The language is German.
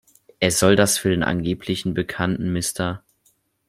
Er soll das für den angeblichen Bekannten „Mr.